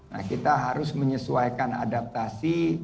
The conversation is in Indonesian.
nah kita harus menyesuaikan adaptasi